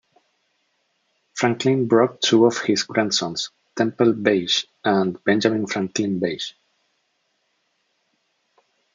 Franklin brought two of his grandsons, Temple Bache and Benjamin Franklin Bache.